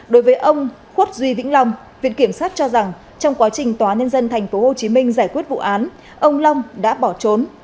đối với ông khuất duy vĩnh long viện kiểm sát cho rằng trong quá trình tòa nhân dân tp hcm giải quyết vụ án ông long đã bỏ trốn